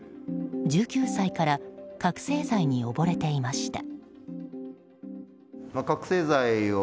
１９歳から覚醒剤に溺れていました。